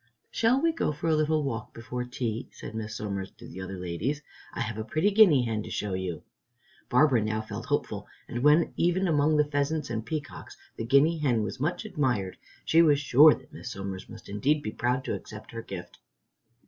"Shall we go for a little walk before tea?" said Miss Somers to the other ladies. "I have a pretty guinea hen to show you." Barbara now felt hopeful, and when even among the pheasants and peacocks the guinea hen was much admired, she was sure that Miss Somers must indeed be proud to accept her gift.